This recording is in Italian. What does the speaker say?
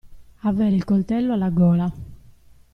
Avere il coltello alla gola.